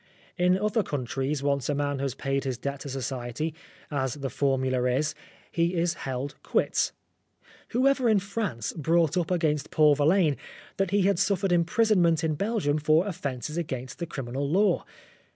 In other countries, once a man has paid his debt to Society, as the formula is, he is held quits. Whoever in France brought up against Paul Verlaine that he had suffered imprisonment in Belgium for offences against the criminal law